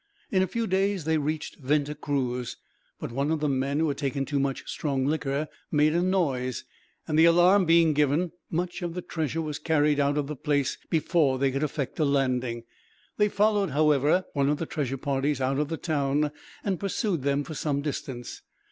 In a few days they reached Venta Cruz, but one of the men, who had taken too much strong liquor, made a noise; and the alarm being given, much of the treasure was carried out of the place, before they could effect a landing. They followed, however, one of the treasure parties out of the town, and pursued them for some distance.